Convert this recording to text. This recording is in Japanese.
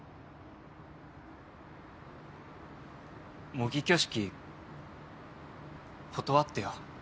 模擬挙式断ってよ。